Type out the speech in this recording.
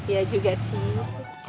iya juga sih